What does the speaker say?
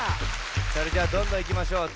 それじゃあどんどんいきましょう。